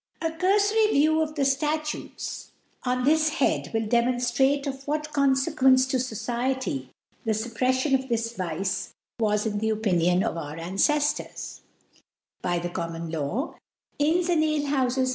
A curfory View of the Statutes on this Head> will demonftrate of whatConfeqoence to Society the Suppreffiou of this Vice was in the Opinion of our Anceftors* By the Common Law, Inns and Afer houies.